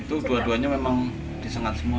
itu dua duanya memang disengat semua